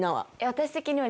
私的には。